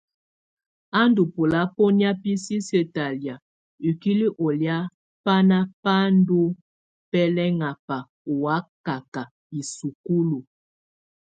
A ndɔ̀ bɔlabɔnɛ̀á bi sisiǝ́ talɛa ikuili ɔ lɛa bana bá ndɔ̀ bɛlɛŋaba ɔ́ wakaka í sukúlu.